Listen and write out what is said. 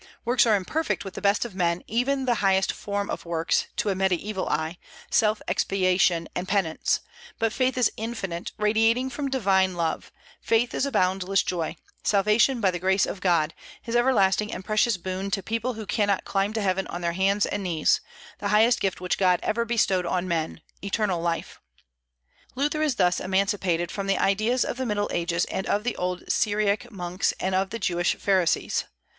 Works are imperfect with the best of men, even the highest form of works, to a Mediaeval eye, self expiation and penance; but faith is infinite, radiating from divine love; faith is a boundless joy, salvation by the grace of God, his everlasting and precious boon to people who cannot climb to heaven on their hands and knees, the highest gift which God ever bestowed on men, eternal life. Luther is thus emancipated from the ideas of the Middle Ages and of the old Syriac monks and of the Jewish Pharisees.